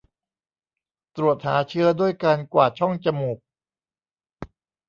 ตรวจหาเชื้อด้วยการกวาดช่องจมูก